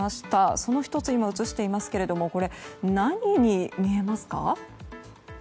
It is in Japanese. その１つを映していますがこれ、何に見えますか？